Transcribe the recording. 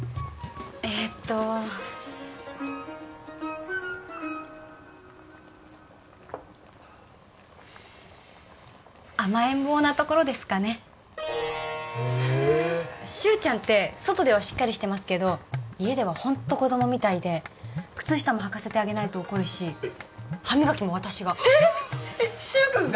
えっと甘えん坊なところですかねえっ柊ちゃんって外ではしっかりしてますけど家ではホント子供みたいで靴下もはかせてあげないと怒るし歯磨きも私がえっ柊君が？